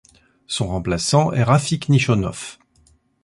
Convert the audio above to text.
Son remplaçant est Rafiq Nishonov.